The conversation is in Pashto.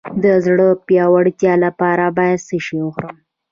د زړه د پیاوړتیا لپاره باید څه شی وخورم؟